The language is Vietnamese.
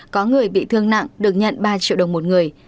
có người bị thương nặng được nhận ba triệu đồng một người